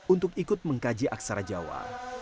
untuk ikut mengkaji aksara jawa